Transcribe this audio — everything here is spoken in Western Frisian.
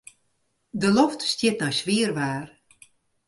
De loft stiet nei swier waar.